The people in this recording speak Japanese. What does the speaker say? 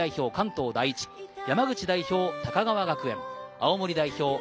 ・関東第一、山口代表・高川学園、青森代表